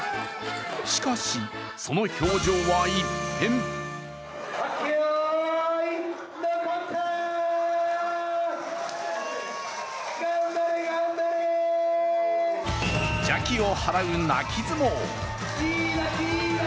しかし、その表情は一変邪気を払う、泣き相撲。